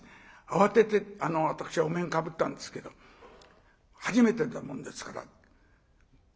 慌てて私はお面かぶったんですけど初めてなもんですから緊張してましてね